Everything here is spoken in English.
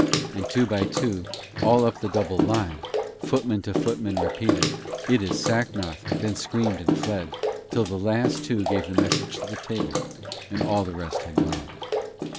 And two by two, all up the double line, footman to footman repeated, 'It is Sacnoth,' then screamed and fled, till the last two gave the message to the table, and all the rest had gone.